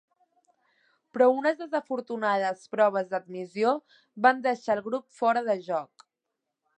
Però unes desafortunades proves d'admissió van deixar al grup fora de joc.